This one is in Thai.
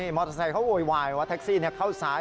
มอเตอร์ไซค์เขาโวยวายว่าแท็กซี่เข้าซ้าย